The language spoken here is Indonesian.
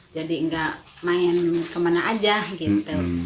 jadi nggak main kemana aja gitu